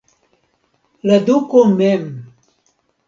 La duko mem!